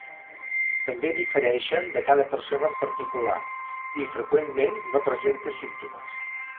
També difereixen de cada persona en particular i freqüentment no presenta símptomes.